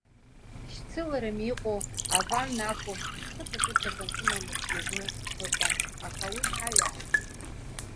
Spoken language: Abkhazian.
Шьцыларами иҟоу, аванна акәым, хыҵакырҭак ансымамызгьы зны ыҟан, аҽа уи ҳаҩаагеит.